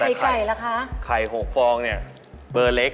ไข่ไก่ล่ะคะไข่หกฟองเนี่ยเบอร์เล็ก